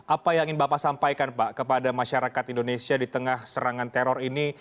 apa yang ingin bapak sampaikan pak kepada masyarakat indonesia di tengah serangan teror ini